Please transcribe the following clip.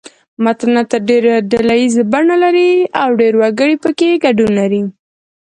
متلونه تر ډېره ډله ییزه بڼه لري او ډېر وګړي پکې ګډون لري